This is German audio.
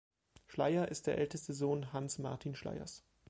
Schleyer ist der älteste Sohn Hanns Martin Schleyers.